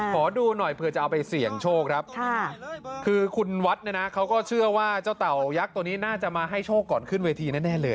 ขอดูหน่อยเผื่อจะเอาไปเสี่ยงโชคครับคือคุณวัดเนี่ยนะเขาก็เชื่อว่าเจ้าเต่ายักษ์ตัวนี้น่าจะมาให้โชคก่อนขึ้นเวทีแน่เลย